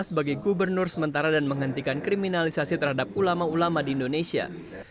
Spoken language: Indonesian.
sebagai gubernur sementara dan menghentikan kriminalisasi terhadap ulama ulama di indonesia